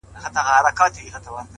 ښه انتخابونه روښانه سبا جوړوي؛